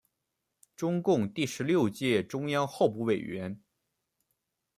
中共第十六届中央候补委员。